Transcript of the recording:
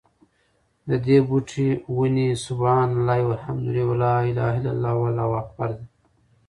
ددي بوټي، وني: سُبْحَانَ اللهِ وَالْحَمْدُ للهِ وَلَا إِلَهَ إلَّا اللهُ وَاللهُ أكْبَرُ دي